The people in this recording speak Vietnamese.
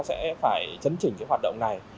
sẽ phải chấn chỉnh cái hoạt động này